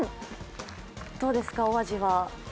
どうですか、お味は？